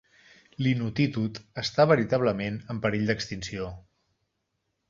L'inuttitut està veritablement en perill d'extinció.